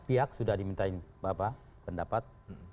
pihak sudah dimintain pendapat